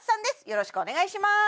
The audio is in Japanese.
よろしくお願いします